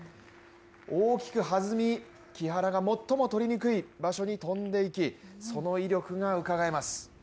大きく弾み、木原が最も取りにくい場所に飛んでいきその威力がうかがえます。